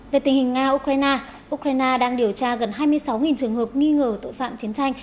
về tình hình nga ukraine đang điều tra gần hai mươi sáu trường hợp nghi ngờ tội phạm chiến tranh